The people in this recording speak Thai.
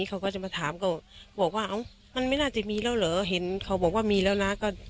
ก็เลยบอกว่าเอาคนนี้หรอ